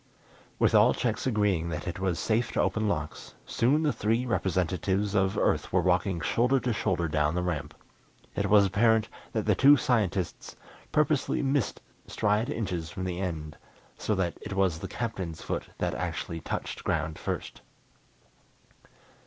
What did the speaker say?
With all checks agreeing that it was safe to open locks, soon the three representatives of Earth were walking shoulder to shoulder down the ramp. It was apparent that the two scientists purposely missed stride inches from the end, so that it was the Captain's foot that actually touched ground first.